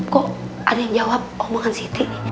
kok ada yang jawab omongan siti